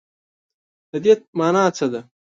د دې مانا څه ده ؟